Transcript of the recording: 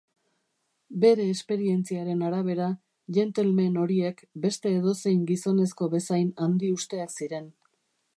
Bere esperientziaren arabera, gentlemen horiek beste edozein gizonezko bezain handiusteak ziren.